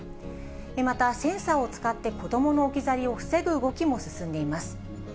またセンサーを使って子どもの置き去りを防ぐ動きも進んでいます。